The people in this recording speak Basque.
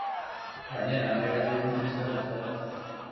Gainera, mahai gainean utzi zuen arkatza.